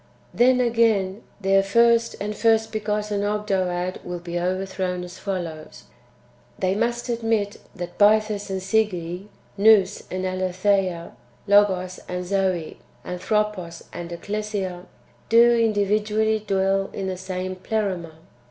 5. Then, again, their first and first begotten Ogdoad vrill be overthrown as follows : They must admit that Bythus and Sige, Nous and Aletheia, Logos and Zoe, Antbropos and Ecclesia, do individually dwell in the same Pleroma.